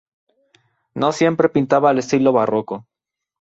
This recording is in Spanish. No siempre pintaba al estilo barroco.